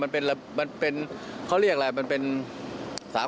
ก็ไม่รู้เขา